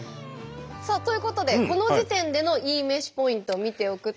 さあということでこの時点でのいいめしポイントを見ておくと。